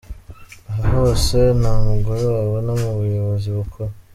Aha hose nta mugore wabona mu buyobozi bukuru.